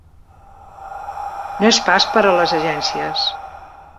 No és pas per a les agències.